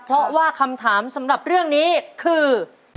เพราะว่าคำถามสำหรับเรื่องนี้คือ